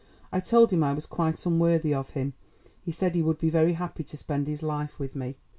... I told him I was quite unworthy of him. ... He said he would be very happy to spend his life with me."